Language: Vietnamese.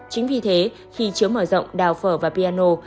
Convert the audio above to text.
chính vì thế khi chứa mở rộng đào phở và piano